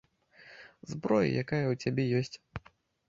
Зброя якая ў цябе ёсць?